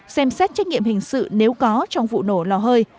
xem xét trách nhiệm hình sự nếu có trong vụ nổ lò hơi